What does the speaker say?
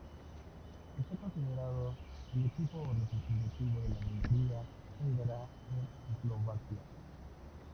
Está considerado el equipo representativo de la minoría húngara en Eslovaquia.